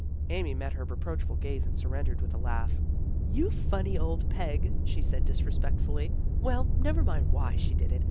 Amy met her reproachful gaze and surrendered with a laugh. " You funny old Peg! " she said disrespect fully. " Well, never mind why she did it.